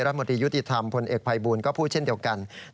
มนตรียุติธรรมพลเอกภัยบูลก็พูดเช่นเดียวกัน